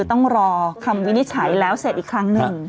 ต้องรอคำวินิจฉัยแล้วเสร็จอีกครั้งหนึ่ง